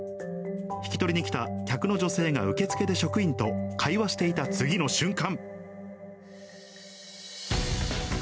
引き取りに来た客の女性が、受付で職員と会話していた次の瞬間。